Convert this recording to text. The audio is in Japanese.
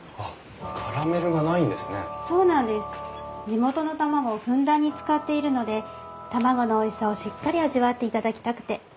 地元の卵をふんだんに使っているので卵のおいしさをしっかり味わっていただきたくて。